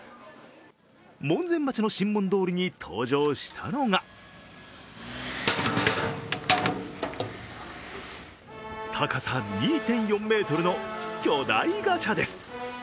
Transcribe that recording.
門前町の神門通りに登場したのが高さ２．４ｍの巨大ガチャです。